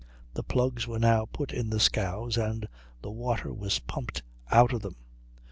The plugs were now put in the scows, and the water was pumped out of them.